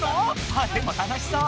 あでも楽しそう。